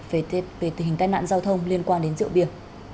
về tình hình tai nạn giao thông liên quan đến rượu bia